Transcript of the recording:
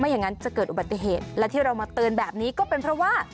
อย่างนั้นจะเกิดอุบัติเหตุและที่เรามาเตือนแบบนี้ก็เป็นเพราะว่า